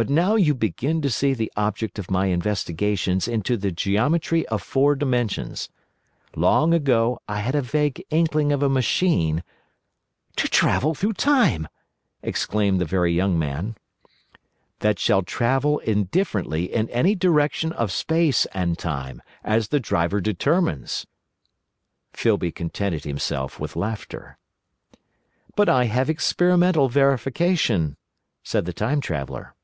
"But now you begin to see the object of my investigations into the geometry of Four Dimensions. Long ago I had a vague inkling of a machine—" "To travel through Time!" exclaimed the Very Young Man. "That shall travel indifferently in any direction of Space and Time, as the driver determines." Filby contented himself with laughter. "But I have experimental verification," said the Time Traveller.